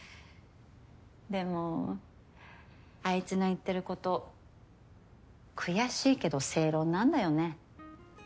でもあいつの言ってること悔しいけど正論なんだよね。